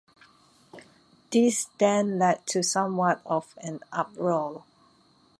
This then led to somewhat of an uproar.